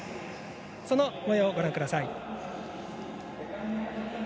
そのもようをご覧ください。